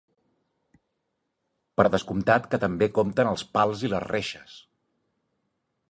Per descomptat que també compten els pals i les reixes!